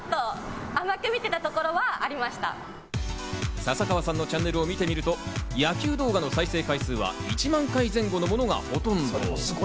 笹川さんのチャンネルを見てみると野球動画の再生回数は１万回前後のものがほとんど。